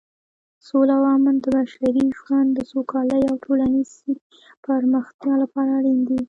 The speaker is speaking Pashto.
سوله او امن د بشري ژوند د سوکالۍ او ټولنیزې پرمختیا لپاره اړین دي.